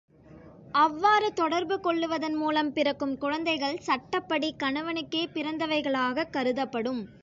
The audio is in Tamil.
அவ்வாறு தொடர்பு கொள்ளுவதன் மூலம் பிறக்கும் குழந்தைகள் சட்டப்படி கணவனுக்கே பிறந்தவைகளாகக் கருதப்படும்.